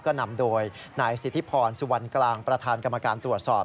ก็นำโดยนายสิทธิพรสุวรรณกลางประธานกรรมการตรวจสอบ